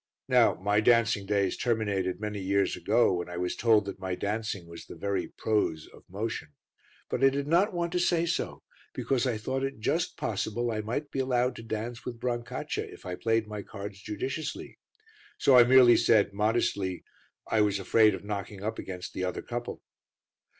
Now my dancing days terminated many years ago when I was told that my dancing was the very prose of motion, but I did not want to say so, because I thought it just possible I might be allowed to dance with Brancaccia if I played my cards judiciously; so I merely said modestly I was afraid of knocking up against the other couple.